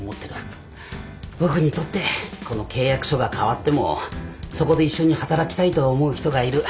僕にとってこの契約書が変わってもそこで一緒に働きたいと思う人がいる